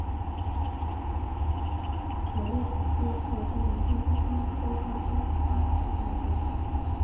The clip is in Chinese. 条裂叶报春为报春花科报春花属下的一个种。